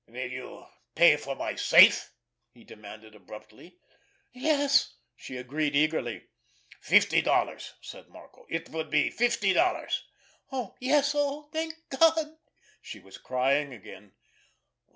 "Will you pay for my safe?" he demanded abruptly. "Yes," she agreed eagerly. "Fifty dollars," said Marco. "It would be fifty dollars." "Yes—oh, thank God!" She was crying again.